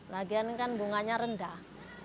lagian kan bunganya rendah